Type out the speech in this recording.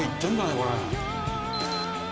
これ。